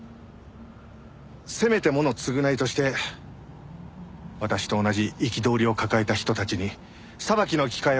せめてもの償いとして私と同じ憤りを抱えた人たちに裁きの機会を与え救いたい。